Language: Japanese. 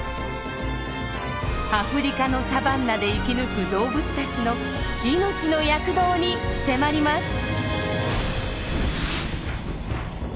アフリカのサバンナで生き抜く動物たちの命の躍動に迫ります。